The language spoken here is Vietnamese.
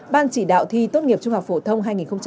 ban chỉ đạo thi tốt nghiệp trung học phổ thông hai nghìn hai mươi